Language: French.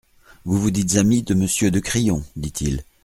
Vous vous dites ami de Monsieur de Crillon ? dit-il.